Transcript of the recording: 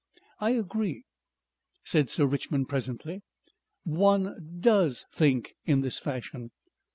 "I agree," said Sir Richmond presently. "One DOES think in this fashion.